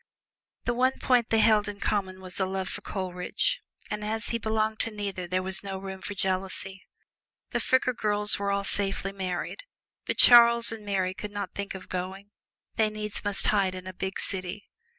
The one point they held in common was a love for Coleridge; and as he belonged to neither there was no room for jealousy. The Fricker girls were all safely married, but Charles and Mary could not think of going they needs must hide in a big city.